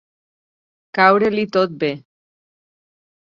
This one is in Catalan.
Caure-li tot bé.